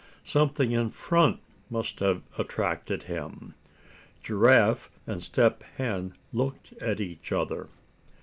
Something in front must have attracted him." Giraffe and Step Hen looked at each other.